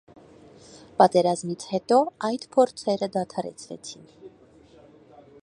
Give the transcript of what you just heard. Պատերազմից հետո այդ փորձերը դադարեցվեցին։